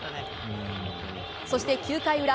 そして９回裏。